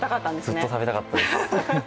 ずっと食べたかったんです。